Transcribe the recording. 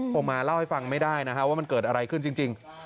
คงมาเล่าให้ฟังไม่ได้นะฮะว่ามันเกิดอะไรขึ้นจริง